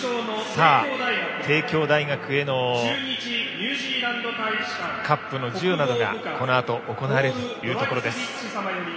帝京大学へのカップの授与などがこのあと、行われるところです。